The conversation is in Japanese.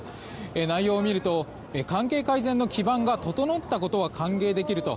内容を見ると関係改善の基盤が整ったことは歓迎できると。